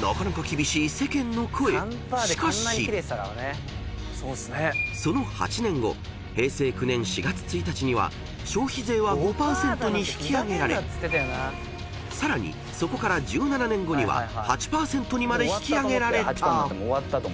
［しかし］［その８年後平成９年４月１日には消費税は５％に引き上げられさらにそこから１７年後には８％にまで引き上げられた］